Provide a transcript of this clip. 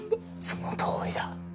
そのとおりだ。